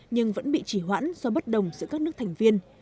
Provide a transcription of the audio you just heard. nhưng vẫn bị chỉ hoãn do bất đồng giữa các nước thành viên